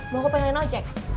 mau aku pengen ojek